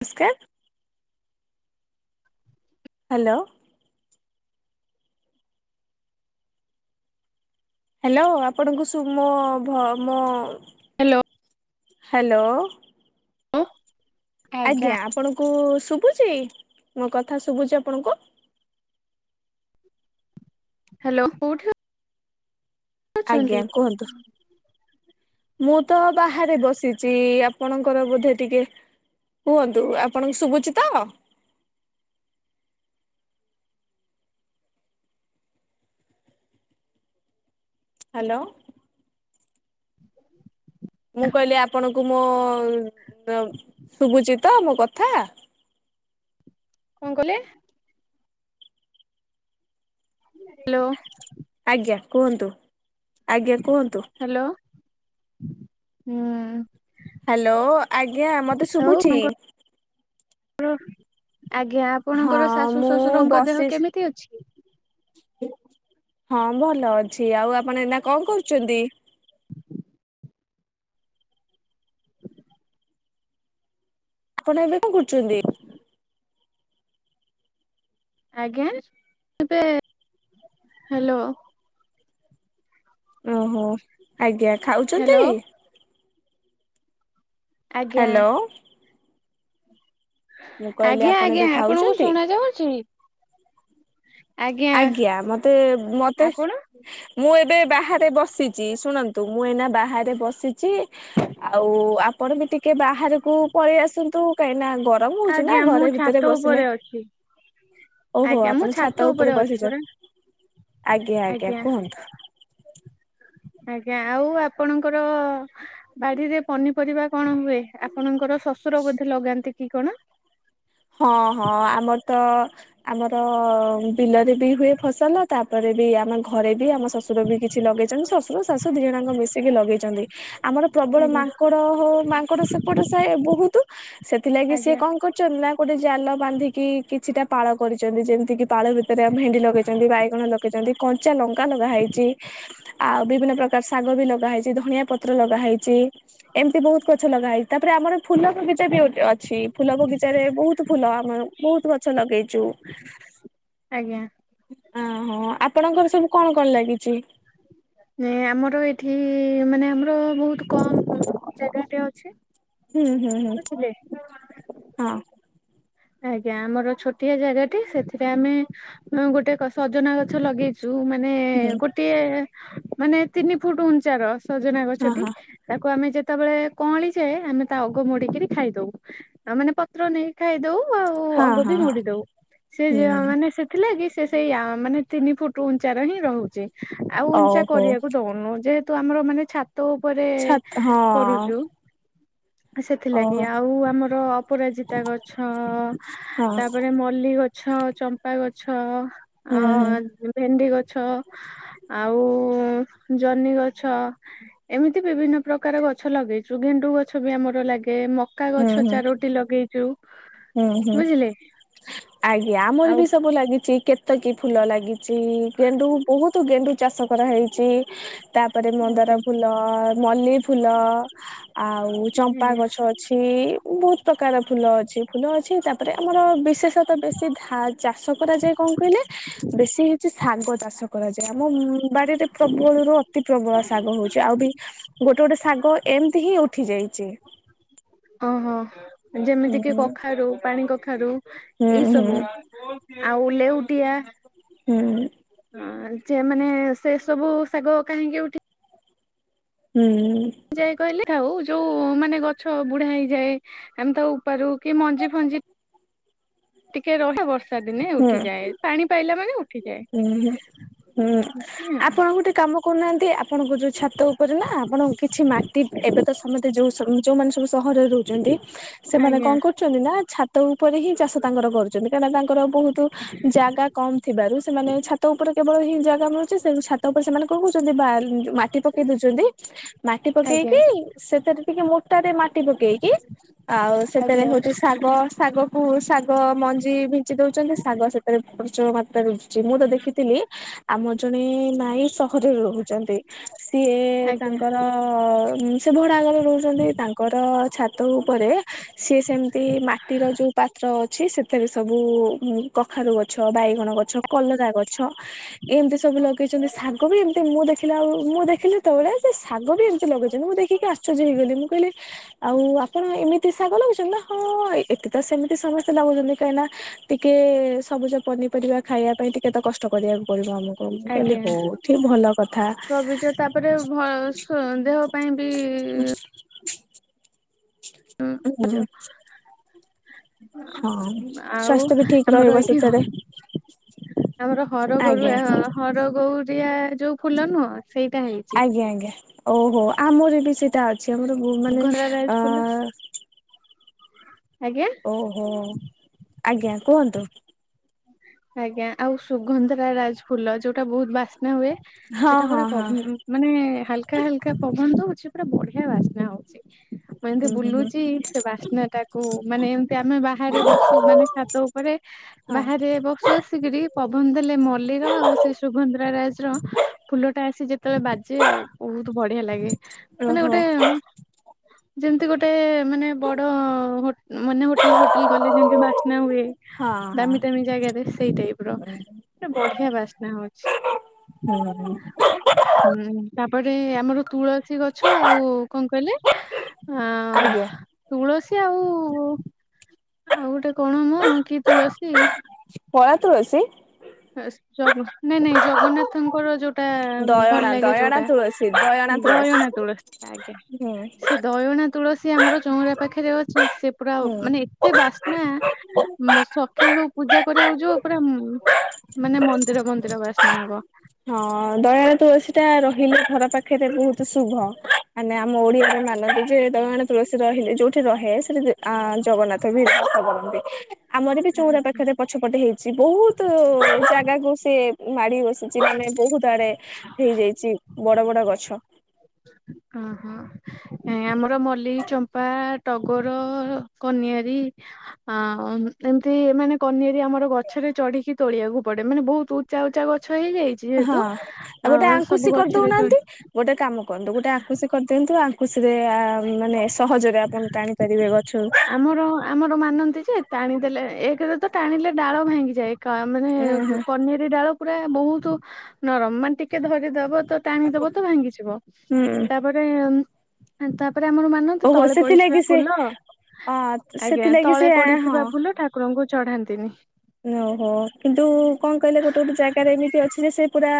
ନମସ୍କାର hello hello ଆପଣଙ୍କୁ ଶୁ ମୋ ମୋ ହ୍ୟାଲୋ। ହ୍ୟାଲୋ। ହ। ଆଜ୍ଞା, ଆପଣଙ୍କୁ ଶୁ ଶୁଭୁଛି ମୋ କଥା ଶୁଭୁଛି ଆପଣଙ୍କୁ। ହ୍ୟାଲୋ କୋଉଠି ଅ ଆଜ୍ଞା କୁହନ୍ତୁ। ମୁଁ ତ ବାହାରେ ବସିଚି, ଆପଣଙ୍କର ବୋଧେ ଟିକେ କୁହନ୍ତୁ ଆପଣଙ୍କୁ ଶୁଭୁଚିି ତ। ହ୍ୟାଲୋ। ମୁଁ କହିଲି ଆପଣଙ୍କୁ ମୋ ଶୁଭୁଚି ତ ମୋ କଥା। କଣ କହିଲେ? ହ୍ୟାଲୋ। ଆଜ୍ଞା କୁହନ୍ତୁ ଆଜ୍ଞା କୁହନ୍ତୁ। ହ୍ୟାଲୋ ହୁଁ। ହ୍ୟାଲୋ, ଆଜ୍ଞା ମତେ ଆଉ ଶୁଭୁଛି‌। ଆପଣଙ୍କର ଆଜ୍ଞା ହଁ ଆପଣଙ୍କର ଶାଶୁ ମୁଁ ଶଶୁରଙ୍କ ଦେହ ବସି କେମିତି ଅଛି? ହଁ ଭଲ ଅଛି ଆଉ ଆପଣ ଏନା କଣ କରୁଛନ୍ତି? [inaudible] ଆପଣ ଏବେ କଣ କରୁଛନ୍ତି? ଆଜ୍ଞା, ଏବେ, ହ୍ୟାଲୋ। ଓହୋ! ଆଜ୍ଞା ହ୍ୟାଲୋ ଖାଉଛନ୍ତି? ଆଜ୍ଞା ହ୍ୟାଲୋ। ମୁଁ କହିଲି ଆଜ୍ଞା ଆପଣ ଏବେ ଆଜ୍ଞା, ଆପଣଙ୍କୁ ଖାଉଛନ୍ତି? ଶୁଣା ଯାଉଛି। ଆଜ୍ଞା ମତେ ମତେ ଆପଣ? ମୁଁ ଏବେ ବାହାରେ ବସିଚି, ଶୁଣନ୍ତୁ ମୁଁ ଏଇନା ବାହାରେ ବସିଚି ଆଉ ଆପଣ ବି ଟିକେ ବାହାରକୁ ପଳେଇ ଆସନ୍ତୁ କାଇଁ ନା ଗରମ ହଉଛି ନା ଆଜ୍ଞା ମୁଁ ଘରେ ଛାତ ଭିତରେ ବସିଲେ, ଉପରେ ଅଛି। ଓହୋ ଆଜ୍ଞା ମୁଁ ଆପଣ ଛାତ ଉପ ଉପରେ ଅଛି ବସିଛ, ପରା ଆଜ୍ଞା ଆଜ୍ଞା, କୁହନ୍ତୁ। ଆଜ୍ଞା, ଆଉ ଆପଣଙ୍କର ବାଡିରେ ପନିପରିବା କଣ ହୁଏ? ଆପଣଙ୍କ ଙ୍କର ଶଶୁର ବୋଧେ ଲଗାନ୍ତି କି କଣ? [inaudible] ହଁ ହଁ ଆମର ତ ଆମର ବିଲରେ ବି ହୁଏ ଫସଲ, ତାପରେ ବି ଆମ ଘରେ ବି ଆମ ଶଶୁର ବି କିଛି ଲଗେଇଛନ୍ତି, ଶ୍ୱଶୁର ଶାଶୁ ଦି ଜଣଙ୍କ ମିଶିକି ଲଗେଇଚନ୍ତି। ଆମର ପ୍ରବଳ ଆଜ୍ଞା ମାଙ୍କଡ ହଉ ମାଙ୍କଡ ସେପଟ ସାଇ ବହୁତୁ ସେଥିଲାଗି ସିଏ ଆଜ୍ଞା କଣ କରଛନ୍ତି ନା ଗୋଟେ ଜାଲ ବାନ୍ଧିକି କିଛିଟା ପାଳ କରିଛନ୍ତି ଯେମିତି କିି ପାଳ ଭିତରେ ଭେଣ୍ଡି ଲଗେଇଛନ୍ତି, ବାଇଗଣ ଲଗେଇଛନ୍ତି, କ ଞ୍ଚା ଲଙ୍କା ଲଗା ହେଇଚି, ଆଉ ବିଭିନ୍ନ ପ୍ରକାର ଶା ଶାଗ ବି ଲଗା ହେଇଚି ଧଣିଆ ପତ୍ର ଲଗା ହେଇଚି, ଏମତି ବହୁତ ଗଛ ଲଗା ହେଇଚି ତାପରେ ଆମର ଫୁଲ ବିଗିଚା ବି ଗୋଟେ ଅଛି ଫୁଲ କଗିଚାରେ ବହୁତୁ ଫୁଲ ଆମେ ବହୁତୁ ଗଛ ଲଗେଇଚୁ। ଆଜ୍ଞା ଅହୋ ଆପଣଙ୍କର ସବୁ କଣ କଣ ଲାଗିଚି? ନାଇଁ ଆମର ଏଠି ମାନେ ଆମର ବହୁତ କମ ଜାଗାଟେ ଅଛି। ହୁଁ ହୁଁ ହୁଁ ବୁଝିଲେ ହଁ। ଆଜ୍ଞା ଆମର ଛୋଟିଆ ଜାଗାଟେ ସେଥିରେ ଆମେ ଗୋଟେ ସଜନା ଗଛ ଲଗେଇଚୁ। ଯୋଉ ମାନେ ହୁଁ ଗୋଟିଏ ମାନେ ତିନି ଫୁଟ ଉଞ୍ଚାର ସଜନା ହଁ ଗଛଟି, ହଁ ତାକୁ ଆମେ ଯ ଯେତେବେଳେ କଅଁଳି ଯାଏ ଆମେ ତା ଅଗକୁ ମୋଡିକିରି ଖାଇଦଉ, ଆଉ ମାନେ ପତ୍ର ନେଇକି ଖାଇଦଉ। ଆଉ ହଁ ଅଗ ହଁ ବି ହଁ ମୋଡି ଦଉ, ସେ ଯ ହୁଁ ମାନେ ସେଥିଲାଗି ସେ ସେଇ ଆ ମାନେ ତିନି ଫୁଟ ଉଞ୍ଚାର ହିଁ ରହୁଚି, ଆଉ ଉଞ୍ଚା ଓହୋ କରିଆକୁ ଦଉନୁ ଯେ ତୁ ଆମର ମାନେ ଛାତ ଉପରେ ଛାତ ହଁ କରୁଛୁ ସେଥିଲାଗି ଓହୋ ଆଉ ଆମର ଅପରାଜିତା ଗଛ ହଁ ତାପରେ ମଲ୍ଲି ଗଛ ଚମ୍ପା ଗଛ ହୁଁ ଆ ଭେଣ୍ଡି ଗଛ ଆଉ ଜହ୍ନି ଗଛ ଏମିତି ବିଭିନ୍ନ ପ୍ରକାର ଗ ଗଛ ଲଗେଇଚୁ ଗେଣ୍ଡୁ ଗଛ ବି ଆମର ଲାଗେ ମକା ହୁଁ ଗଛ ହୁଁ ହୁଁ ଚାରୋଟି ଲଗେଇଛୁ। ହୁଁ ହୁଁ ବୁଝିଲେ ଆଜ୍ଞା ଆମର ଆଉ ବି ସବୁ ଲାଗିଛି କେତେ କି ଫୁଲ ଲାଗିଛି ଗେଣ୍ଡୁ ବହୁତ ଗେଣ୍ଡୁ ଚାଷ କରାହେଇଛି ତାପରେ ମନ୍ଦାର ଆଜ୍ଞା ଫୁଲ ମଲ୍ଲି ଫୁଲ ଆଉ ଚମ୍ପା ଆଜ୍ଞା। ଗଛ ଅଛି ବହୁତ ପ୍ରକାର ଫୁଲ ଅଛି ଫୁଲ ଅଛି ତାପରେ ଆମର ବିଶେଷ ବେଶୀ ଧ ଚାଷ କରାଯାଏ କଣ କହିଲେ ବେଶୀ ହେଉଛି ସାଗ ଚାଷ କରାଯାଏ ଆମ ବାଡିରେ ପ୍ରବଳରୁୁ ଅତି ପ୍ରବଳ ଶାଗ ହଉଛି ଆଉ ବି ଗୋଟେ ଗୋଟେ ଶାଗ ଏମିତି ହିଁ ଉଠି ଯାଇଛି। ଓହୋ ହୁଁ ଯେମିତି କି କଖାରୁ ପାଣି କଖାରୁ ହୁଁ ଏଇ ହୁଁ ସବୁ ଆଉ ଓଲେ ଉଠଆ ହୁଁ। ଯେ ମାନେ ସେ ସବୁ ଶାଗ କାହିଁକି ଉଠି ହୁଁ। ଯାଇଏ କହିଲି ଆଉ ଯୋଉ ମାନେ ଗଛ ବୁଢା ହେଇଯାଏ ଆମେ ତାକୁ ାରୁ କି ମଞ୍ଜି ଫଞ୍ଜି ଟିକେ ରହିବ ବର୍ଷ ଦିନେ ଉଠିଯାଏ ପାଣି ପାଇଲା ମାନେ ଉଠ ହୁଁ ହୁଁ ହୁଁ ଏମତି ଆପଣ ଗୋଟେ କାମ କହୁନାହାନ୍ତି ଆପଣଙ୍କ ଯେଉ ଛାତ ଉପରେ ନା ଆପଣ କିଛି ମାଟି ଏବେ ତ ସମେତେ ଯେଉଁ ଯୋଉମାନେ ସବୁ ସହରରେ ରହୁଛନ୍ତି ସେମାନେ କଣ ଆଉ କରୁଛନ୍ତି ନା ଛାତ ଉପରେ ହିଁ ଚାଷ ତାଙ୍କର କରୁଛନ୍ତି। କାଁନା ତାଙ୍କର ବହୁତ ଜାଗା କମ ଥିବାରୁ ସେମାନେ ଛାତ ଉପରେ କେବଳ ହିଁ ଜାଗା ମିଳୁଛି ସେ ଛାତ ଉପରେ ସେମାନେ କଣ କହୁଛନ୍ତି ବା ମାଟି ପକେଇ ଦଉଛନ୍ତି ମାଟି ଆଜ୍ଞା ପକେଇକି ସେଥିରେ ଟିକେ ମୋଟ ରେ ମାଟି ପକେଇକି ଆଉ ସେଥିରେ ଆଜ୍ଞା ହଉଛି ଶାଗ ଶାଗକୁ ଶାଗ ମଞ୍ଜି ଭଞ୍ଚି ଦଉଛନ୍ତି ଶାଗ ସେଥିରେ ପ୍ରଚୁର ମାତ୍ରାରେ ରହୁଛି। ମୁଁ ତ ଦେଖିଥିଲି ଆମ ଜଣେ ମାଇ ସହରରେ ରହୁଛନ୍ତି। ସିଏ ଆଜ୍ଞା ତାଙ୍କର ସେ ଭଡ଼ାକରେ ରହୁଛନ୍ତି ତାଙ୍କର ଛାତ ଉପରେ ସିଏ ସେମିତି ମାଟିର ଯେଉଁ ପାତ୍ର ଅଛି ସେଥିରେ ସବୁ କଖାରୁ ଗଛ ବାଇଗଣ ଗଛ କଲରା ଗଛ ଏମିତି ସବୁ ଲଗେଇଛନ୍ତି ଶାଗ ବି ଏମତି ମୁଁ ଦେଖିଲି ଆଉ ମୁଁ ଦେଖିଲି ଯେତେବେଳେ ଶାଗ ବି ଏମିତି ଲଗେଇଛନ୍ତି ମୁଁ ଦେଖିକି ଆଶ୍ଚର୍ଯ୍ୟ ହେଇଗଲି ମୁଁ କହିଲି ଆଉ ଆପଣ ଏମିତି ଏ ଶାଗ ଲାଗୁଛନ୍ତି ନା ହଁ ଏତେ ତ ସେମିତି ସମସ୍ତେ ଲାଗୁଛନ୍ତି କାହିଁକିନା ଟିକେ ସବୁଜ ପନି ପରିବା ଖାଇବା ପାଇଁ ଟିକେ ତ କଷ୍ଟ କରିବାକୁ ପଡିବ ଆମକୁ ମୁଁ କହିଲି ଆଜ୍ଞା ହଉଠ ହି ଭଲ କଥା। ସବୁଜ ତାପରେ ଭ ଦେହ ପାଇଁ ବି [inaudible] ଉଁ ହୁଁ ଆ ହଁ ଆଉ ସ୍ୱାସ୍ଥ୍ୟ ବି ଠିକ ଆମର ରହିବ ଏଇଠି ସେଥିରେ ଆମର ଆଜ୍ଞା ହରଗୋରୁଆ ହଁ ହର ଗୋରିଆ ଯୋଉ ଫୁଲ ନୁହଁ ସେଇଟା ହେଇଛି। ଆଜ୍ଞା ଆଜ୍ଞା ଓହୋ ଆମର ବି ସେଇଟା ଅଛି ଆମର ବହୁ ମାନେ ଅ ସୁଗନ୍ଧରାଜ ଫୁଲ ଆଜ୍ଞା ଓହୋ ଆଜ୍ଞା କୁହନ୍ତୁ। ଆଜ୍ଞା ଆଉ ସୁଗନ୍ଧରା ରାଜ ଫୁଲ ଯୋଉଟା ବହୁତ ବାସି ହୁଏ ହଁ ସେଟା ହଁ ଗୁଡା ହଁ ମାନେ ହାଲକା ହାଲକା ପବନ ଦ ପୁରା ବଢିଆ ବାସ୍ନା ହଉଛି ମୁଁ ଏମିତି ହୁଁ ହୁଁ ହୁଁ ବୁଲୁଛି ସେ ବାସ୍ନା ଟାକୁ ମାନେ ଆମେ ବାହାରେ ବସୁ ମାନେ ଖାତ ଉପରେ ହଁ ବାହାରେ ବସୁ ଆସିକରି ପବନ ଦେଲେ ମଲ୍ଲୀର ଆଉ ସେ ସୁଭଧ୍ରା ରାଜଜ ର ଫୁଲଟା ଆସି ଯେତେବେଳେ ବାଜେ ଆଉ ବହୁତ ବଢିଆ ଲାଗେ ମାନେ ଓହୋ ଗୋଟେ ଯେମିତି ଗୋଟେ ମାନେ ବଡ ମାନେ ହୋଟେଲ ଫୋଟେଲ ଗଲେ ଯେମତି ବା ନା ହୁଏ ହଁ ହଁ ଦାମୀ ଦାମୀ ଜାଗାରେ ସେଇ ଟାଇପ ର ଗଟେ ବଢିଆ ବାସ୍ନା ହଉଛି ହୁଁ ହୁଁ [unintelligible] ତାପରେ ଆମର ତୁଳସୀ ଗଛ ଆଉ କଣ କହିଲେ ଅ ଆଜ୍ଞା ତୁଳସୀ ଆଉ ଆଉ ଗୋଟେ କଣ ମ କି ତୁଳସୀ ପଳା ତୁଳସୀ। ଜ [unintelligible] ନାଇଁ ନାଇଁ ଜଗନ୍ନାଥଙ୍କର ଯୋଉ [unintelligible] ଭଲ ଦୟଣା ଲାଗେ ଦୟଣା ଯୋଉଟା ତୁଳସୀ ଦୟଣା ତୁଳସୀ ଦୟଣା ତୁଳସୀ ଆଜ୍ଞା ହୁଁ ସେ ଦୟଣା ତୁଳସୀ ସ ଆମର ଚଉରା ପାଖରେ ଅଛି ସେ ପୁରା ହୁଁ ମାନେ ଏତେ ବା ନା ମ ସଖାଳୁ ପୁଜା କରିବାକୁ ଯୋ ପୁରା ମାନେ [unintelligible] ମନ୍ଦିର ମନ୍ଦିର ବାସ୍ନା ହବ। ହଁ [unintelligible] ଦୟାଳ ତୁଳସୀ ଟା ରହିଲେ ଘର ପାଖରେ ବହୁତ ଶୁଭ ମାନେ ଆମ ଓଡିଆରେ ମାନ ଯେ ଦୟଣା ତୁଳସୀ ରହିଲେ ଯୋଉଠି ରହେ ସେଠି ଆଁ ଜଗନ୍ନାଥ ବି ବାସ କରନ୍ତି ଆମର ବି ଚଉରା ଆଜ୍ଞା ପାଖରେ ପଛପଟେ ହେଇଛି ବହୁତ ଜାଗାକୁ ସେ ମାଡି ବସି ମାନେ ବହୁତ ଆଡେ ହେଇଯାଇଛି ବଡ ବଡ ଗଛ ଓହୋ ଆମର ମଲ୍ଲ, ଚମ୍ପା, ଟଗର କନିଆରୀ ଆ ଏମିତି ମାନେ କନିଆରି ଆମର ଗଛରେ ଚଢିକି ତୋଳିବାକୁ ପଡେ ମାନେ ବହୁତ ଉଚା ଉଚା ଗଛ ହେଇଯାଇଛି ହଁ ଯେହେତୁ ଆଉ ଅ ଗୋଟେ ସବୁ ଆଙ୍କୁଶି ଗଛରେ ଚଢି କରିଦଉନାହାନ୍ତି ଗୋଟେ କାମ କନ୍ତୁ ଗୋଟେ ଆଙ୍କୁସି କରିଦିଅନ୍ତୁ ଆଙ୍କୁସିରେ ଆ ମାନେ ସହଜରେ ଆପଣ ଟାଣି ପାରିବେ ଗ ଆମର ଆମର ମାନନ୍ତି ଯେ ଟାଣିଦେଲେ ଏକରେ ତ ଟାଣିଲେ ଡାଳ ଭାଙ୍ଗିଯାଏ ମାନେ ଉଁ ହୁଁ କନିର ଡାଳ ପୁରା ବହୁତ ନରମ ମାନ ଟିକେ ଧରିଦବ ତ ଟାଣିଦବ ତ ଭାଙ୍ଗିଯିବ ହୁଁ ତାପରେ ତା ତାରେ ଆମର ମାନନ୍ତି ଓହୋ ତଳେ ପଡିଥିବା ସେଥିଲାଗି ସେ ଫୁଲ ଅ ଆଜ୍ଞା ସେଥିଲାଗି ସେ ତଳେ ହଁ ପଡିଥିବା ଫୁଲ ଠାକୁର [unintelligible] ଙ୍କୁ ଚଢାନ୍ତିନି ଓହୋ କିନ୍ତୁ କଣ କହିଲେ ଗୋଟେ ଗୋଟେ ଜାଗାରେ ଏମିତି ଅଛି ଯେ ସେ ପୁରା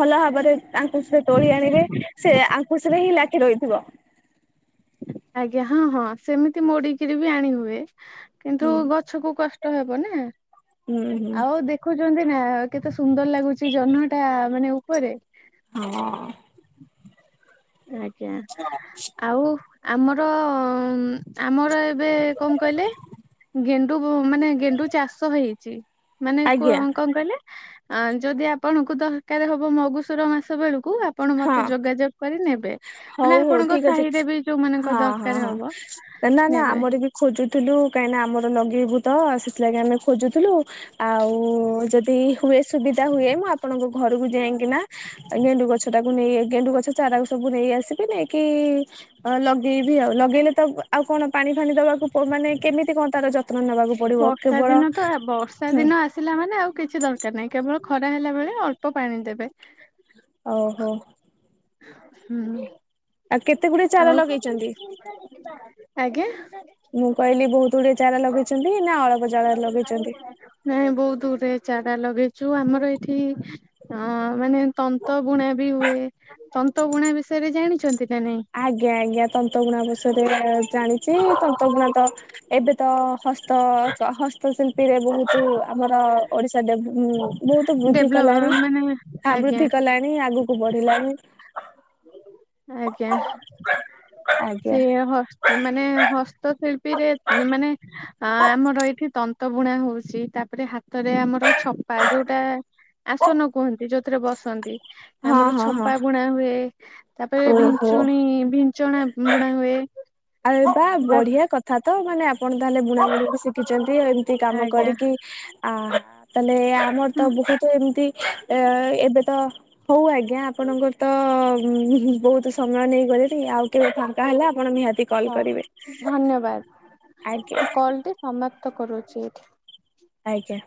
ଭଲ ଭାବରେ ତାଙ୍କୁଶରେ ତୋଳି ଆଣିଲେ ସେ ଆଙ୍କୁଶରେ ହିଁ ଲାଖି ରହିଥିବ। ଆଜ୍ଞା ହଁ ହଁ ସେମିତି ମୋଡି କିରି ବି ଆଣି ହୁଏ। ହୁଁ। କିନ୍ତୁ ଗଛ କୁ କଷ୍ଟ ହେବ ନା ହୁଁ ହୁଁ ଆଉ ଦେଖୁଛନ୍ତି ନା କେତେ ସୁନ୍ଦର ଲାଗୁଛି ଜହ୍ନ ଟା ମାନେ ଉପରେ ହଁ। ଆଜ୍ଞା ଆଉ ଆମର ଆମର ଏବେ କଣ କହିଲେ? ଗେଣ୍ଡୁ ମାନେ ଗେଣ୍ଡୁ ଚାଷ ହେଇଛି ମାନେ ଆଜ୍ଞା କଣ କହିଲେ? ଅ ଯଦି ଆପଣଙ୍କୁ ଦରକାର ହବ ମଗୁସୁର ମାସ ବେଳକୁ ଆପଣ ମତେ ହଁ। ଯୋଗାଯୋଗ କରି ନେବେ। ମାନେ ହଉ ହଉ ଆପଣଙ୍କ ଠିକ ଅଛି ସାହିରେ ବି ଯୋଉମାନଙ୍କ ହଁ ହଁ ଦରକାର ହଁ ହବ ନା ନା ନେବେ। ଆମର ବି ଖୋଜୁ ଥି [unintelligible] କାଇନା ଆମର [unintelligible] ମଗେଇବୁ ତ ସେଥିଲାଗି ଆମେ ଖୋଜୁଥିଲୁ ଆଉ ଯଦି ହୁଏ ସୁବିଧା ହୁଏ ମୁଁ ଆଉ ଆପଣଙ୍କ ଘରକୁ ଯାଇକି ନା ଗେଣ୍ଡୁ ଗଛ ଟାକୁ ନେଇ ଗେଣ୍ଡୁ ଗଛ ଚାରା ସବୁ ନେଇ ଆସିବି ନେଇକି ଲଗେଇବି ଆଉ ଲଗେଇଲେ ତ ଆଉ କଣ ପାଣି ଫାଣି ଦବାକୁ ପ ମାନେ କେମିତି କଣ ତାର ଯ ବର୍ଷା ଦିନତ ହେବ ବର୍ଷା ହୁଁ ଦିନ ଆସିଲା ମାନେ ଆଉ କିଛି ଦରକାର ନାହିଁ କେବଳ ଖରାହେଲା ବେଳେ ଅଳ୍ପ ପାଣି ଦେବେ। ଓହୋ ହୁଁ। ଆଉ କେତେଗୁଡେ ଚାରା ଆଉ ଲଗେଇ ଚନ୍ତି। ଆଜ୍ଞା। ମୁଁ କହିଲି ବହୁତ ଗୁଡେ ଚାରା ଲଗେଇ ନାଇଁ ବହୁତ ଗୁଡ଼େ ଚା ରା ଲଗେଇଚୁ। ଆମର ଏଠି ଅ ମାନେ ତନ୍ତବୁଣାବି ହୁଏ। ତନ୍ତ ବୁଣା ବିଷୟରେ ଜାଣିଚନ୍ତି। ଆଜ୍ଞା ଆଜ୍ଞା ତନ୍ତଗୁଣା ବିଷୟରେ ଜାଣିଚି ତନ୍ତଗୁଣା ତ ଏବେ ତ ହସ୍ତ ହସ୍ତଶିଳ୍ପୀରେ ବହୁତ ଆମର ଓଡିଶା ଡେଭ ଉଁ ଉଁ ବହୁତ ବୃଦ୍ଧି ଡେଭଲପ କଲାଣି ମାନେ ଆଜ୍ଞା ଆବୃଦ୍ଧି କଲାଣି ଆଗକୁ ବଢ। ଦିଲାନି। ଆଜ୍ଞା ସେ ଆଜ୍ଞା ହସ ମାନେ ହସ୍ତଶିଳ୍ ପିରେ ମାନେ ଆଁ ଆମର ଏଇଠି ତନ୍ତବୁଣା ହୋଉଚି ତାପରେ ହାତରେ ଆମର ଛପା ଯୋଉଟା ଆସନ କୁହନ୍ତି ଯୋଉଥିରେ ବସନ୍ତି ହଁ ଆମର ହଁ ହଁ ଛପାବୁଣା ହୁଏ ତାପରେ ଓହୋ ଭିଞ୍ଚୁଣି ଭିଞ୍ଚଣା ବୁଣା ହୁଏ। ଆରେ ବା ତା ବଢିଆ କଥାତ ମାନେ ଆପଣ ତାହେଲେ ବୁଣାବୁଣିକୁ ଶି କିଚନ୍ତି ଏମତି କାମ ଆଜ୍ଞା। କରିକି ଆ ଆ ତାଲେ ଆମରତ ବହୁତ ଏମତି ଏ ଏବେତ ହଉ ଆଗ ଜ୍ଞା ଆପଣଙ୍କର ତ ବହୁତ ସମୟ ନେଇଗଲିଣି ଆଉ କେବେ ଫାଙ୍କା ହେଲା ଆପଣ ନିହାତି କଲ୍ ହଁ କରିବେ ଧନ୍ୟବାଦ ଆଜ୍ଞା କଲଟି ସମତ ପ୍ତ କରୁଚି ଏଠି। ଆଜ୍ଞା।